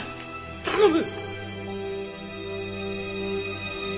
頼む！